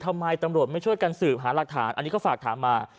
ทำไมตำรวจไม่ช่วยกันสืบหาหลักฐานอันนี้ก็ฝากถามมา